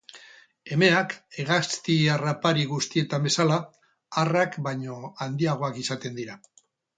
Emeak, hegazti harrapari guztietan bezala, arrak baino handiagoak izaten dira.